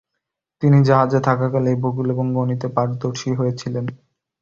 তিনি জাহাজে থাকাকালেই ভূগোল এবং গণিতে পারদর্শী হয়েছিলেন।